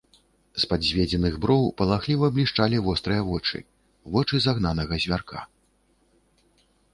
З-пад зведзеных броў палахліва блішчалі вострыя вочы, вочы загнанага звярка.